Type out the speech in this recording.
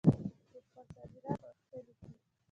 پرې خپل صادرات غښتلي کړي.